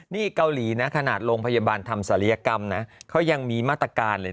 นี่กาโหลีในโรงพยาบาลทำศริยภาคก็ยังมีมาตรการเลย